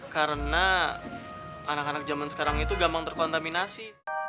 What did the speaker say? karena anak anak zaman sekarang itu gampang terkontaminasi